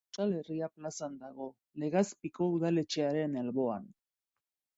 Euskal Herria plazan dago, Legazpiko udaletxearen alboan.